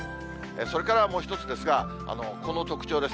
それからもう一つですが、この特徴です。